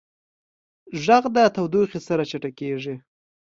غږ د تودوخې سره چټکېږي.